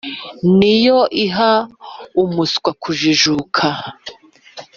Ni yo iha umuswa kujijuka,